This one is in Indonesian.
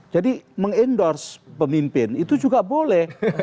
jadi meng endorse pemimpin itu juga boleh